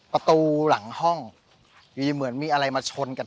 ชื่องนี้ชื่องนี้ชื่องนี้ชื่องนี้ชื่องนี้ชื่องนี้